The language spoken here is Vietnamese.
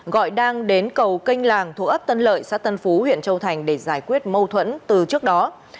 gọi đang đến cầu kênh làng thuộc ấp tân lợi xã tân phú huyện châu thành để giải quyết mâu thuẫn từ trước đó